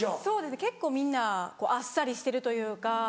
そうですね結構みんなあっさりしてるというか。